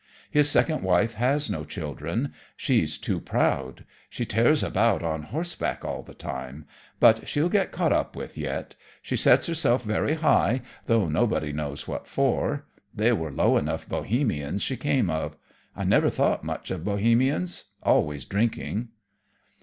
"His second wife has no children. She's too proud. She tears about on horseback all the time. But she'll get caught up with, yet. She sets herself very high, though nobody knows what for. They were low enough Bohemians she came of. I never thought much of Bohemians; always drinking."